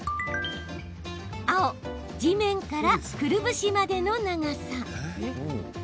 青・地面からくるぶしまでの長さ。